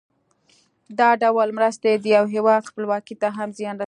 دا ډول مرستې د یو هېواد خپلواکۍ ته هم زیان رسوي.